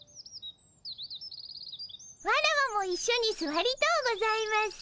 ワラワもいっしょにすわりとうございます。